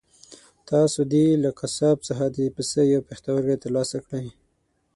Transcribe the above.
تاسو دې له قصاب څخه د پسه یو پښتورګی ترلاسه کړئ.